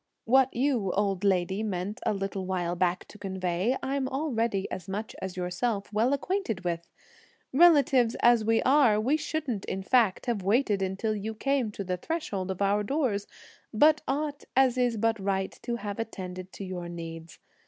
What you, old lady, meant a little while back to convey, I'm already as much as yourself well acquainted with! Relatives, as we are, we shouldn't in fact have waited until you came to the threshold of our doors, but ought, as is but right, to have attended to your needs.